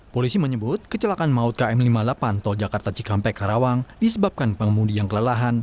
polisi menyebut kecelakaan maut km lima puluh delapan tol jakarta cikampek karawang disebabkan pengemudi yang kelelahan